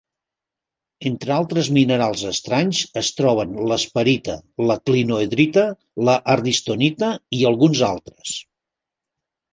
Entre altres minerals estranys es troben l'esperita, la clinohedrita, la hardystonita i alguns altres.